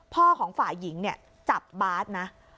ของฝ่ายหญิงเนี่ยจับบาสนะ